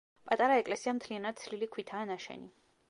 პატარა ეკლესია მთლიანად თლილი ქვითაა ნაშენი.